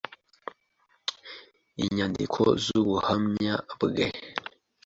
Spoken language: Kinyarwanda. inyandiko z'ubuhamya bwe